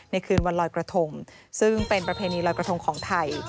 คืนวันลอยกระทงซึ่งเป็นประเพณีลอยกระทงของไทย